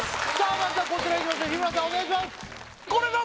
まずはこちらいきましょう日村さんお願いしますフー！